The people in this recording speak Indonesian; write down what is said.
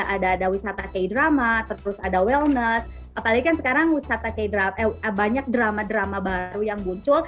ada ada wisata k drama terus ada wellness apalagi kan sekarang banyak drama drama baru yang muncul